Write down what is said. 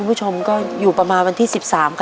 ฤมศาจมันต้องดีมาก